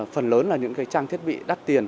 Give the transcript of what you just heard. phần lớn là những trang thiết bị đắt tiền